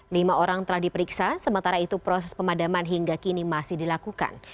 lima orang telah diperiksa sementara itu proses pemadaman hingga kini masih dilakukan